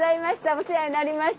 お世話になりました！